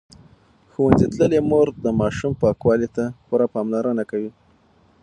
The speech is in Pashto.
ښوونځې تللې مور د ماشوم پاکوالي ته پوره پاملرنه کوي.